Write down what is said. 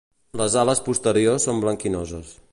Les ales posteriors són blanquinoses.